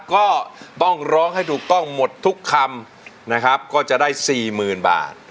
ก็ต้องร้องให้ถูกต้องหมดทุกคำนะครับก็จะได้สี่หมื่นบาท